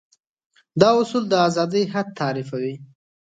دا اصول د ازادي حد تعريفوي.